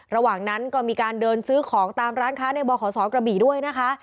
ระหว่างนั้นก็มีการเดินซื้อของตามร้านค้าในบขศกระบี่ด้วยนะคะ